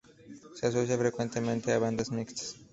Se asocia frecuentemente a bandadas mixtas.